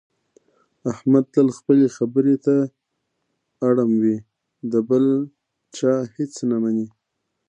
احمد تل خپلې خبرې ته اړم وي، د بل چا هېڅ نه مني.